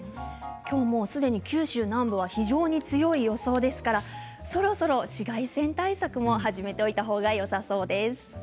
きょうはもうすでに九州南部は非常に強い予想ですからそろそろ紫外線対策も始めておいたほうがよさそうです。